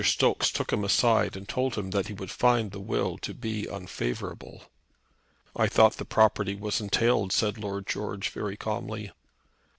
Stokes took him aside and told him that he would find the will to be unfavourable. "I thought the property was entailed," said Lord George very calmly.